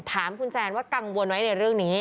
ถามคุณแซนว่ากังวลไหมในเรื่องนี้